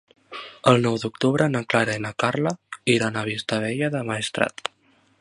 El nou d'octubre na Clara i na Carla iran a Vistabella del Maestrat.